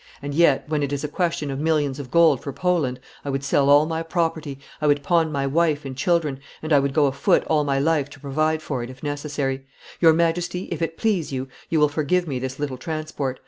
and yet, when it is a question of millions of gold for Poland, I would sell all my property, I would pawn my wife and children, and I would go afoot all my life to provide for it if necessary. Your Majesty, if it please you, will forgive me this little transport.